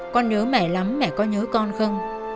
con nhớ mẹ lắm mẹ có nhớ con không